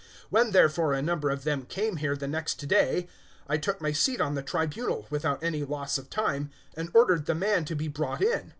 025:017 "When, therefore, a number of them came here, the next day I took my seat on the tribunal, without any loss of time, and ordered the man to be brought in.